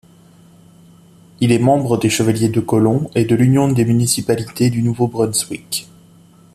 Il est membre des Chevaliers de Colomb et de l'Union des municipalités du Nouveau-Brunswick.